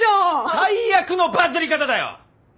最悪のバズり方だよ！